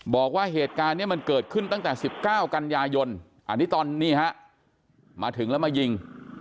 บอกว่าเหตุการณ์นี้มันเกิดขึ้นตั้งแต่๑๙กันยายนอันนี้ตอนนี่ฮะมาถึงแล้วมายิง